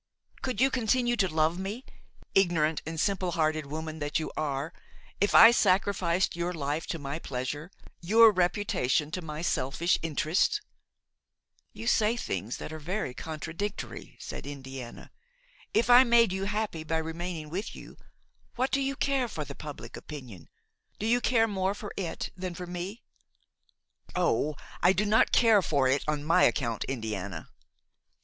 Could you continue to love me, ignorant and simple hearted woman as you are, if I sacrificed your life to my pleasure, your reputation to my selfish interests?" "You say things that are very contradictory," said Indiana; "if I made you happy by remaining with you, what do you care for the public opinion? Do you care more for it than for me?" "Oh! I do not care for it on my account, Indiana!"